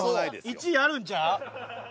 １位あるんちゃう？